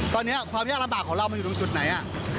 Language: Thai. ตอนนี้ความยากลำบากของเรามันอยู่ตรงจุดไหน